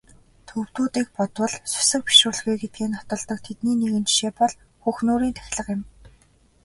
Төвөдүүдийг бодвол сүсэг бишрэлгүй гэдгээ нотолдог тэдний нэгэн жишээ бол Хөх нуурын тахилга юм.